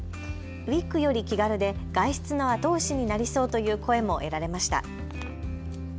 ウイッグより気軽で外出の後押しになりそうという声も得られました。